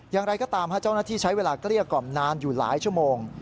อย่างไรก็ตามเจ้าหน้าที่ใช้เวลาเกลี้ยกล่อมนานอยู่หลายชั่วโมง